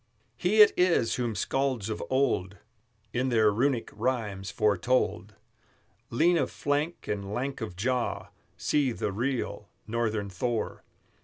He it is whom Skalds of old In their Runic rhymes foretold; Lean of flank and lank of jaw, See the real Northern Thor!